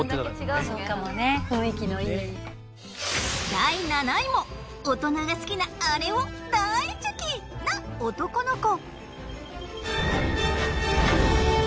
第７位も大人が好きなアレをだいちゅきな男の子。